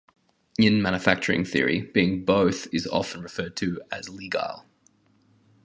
In manufacturing theory, being both is often referred to as leagile.